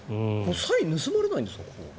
サインは盗まれないんですか？